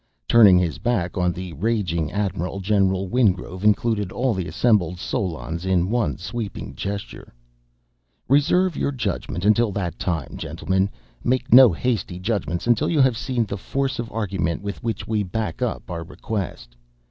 Turning his back on the raging admiral, General Wingrove included all the assembled solons in one sweeping gesture. "Reserve your judgment until that time, gentlemen, make no hasty judgments until you have seen the force of argument with which we back up our request.